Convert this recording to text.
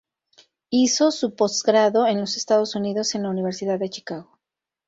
Hizo su postgrado en los Estados Unidos, en la Universidad de Chicago.